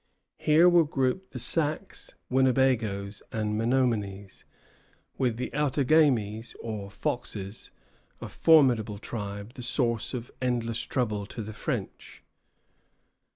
Here were grouped the Sacs, Winnebagoes, and Menominies, with the Outagamies, or Foxes, a formidable tribe, the source of endless trouble to the French.